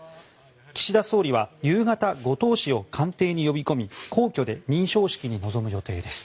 岸田総理は夕方後藤氏を官邸に呼び込み皇居で認証式に臨む予定です。